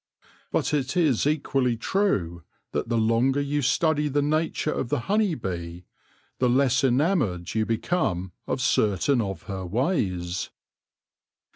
But it is equally true that the longer you study the nature of the honey bee; the less enamoured you become of certain of her ways.